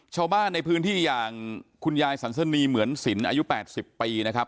ชาวบ้านในพื้นที่อย่างคุณยายสันสนีเหมือนสินอายุ๘๐ปีนะครับ